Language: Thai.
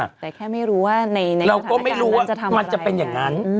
แต่แค่ไม่รู้ว่าในในกระทะการนั้นจะทำอะไรเราก็ไม่รู้ว่ามันจะเป็นอย่างงั้น